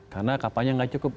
karena kapalnya gak cukup